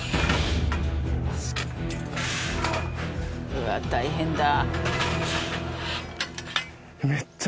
「うわっ大変だ」